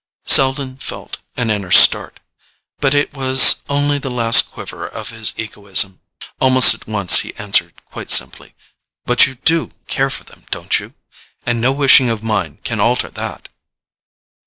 Selden felt an inner start; but it was only the last quiver of his egoism. Almost at once he answered quite simply: "But you do care for them, don't you? And no wishing of mine can alter that."